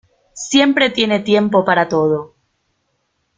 Siempre tiene tiempo para todo.